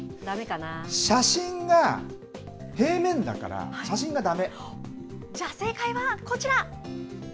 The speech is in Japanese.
写真が平面だから、写真がだじゃあ、正解はこちら！